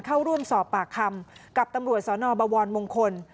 เข้าร่วมสอบปากคำกับตำรวจสนบวรมงคล